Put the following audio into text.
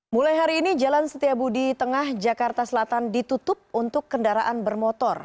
mulai hari ini jalan setiabudi tengah jakarta selatan ditutup untuk kendaraan bermotor